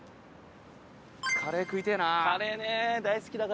カレー食いてえな！